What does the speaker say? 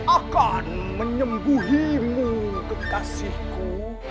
akan menyembuhimu kekasihku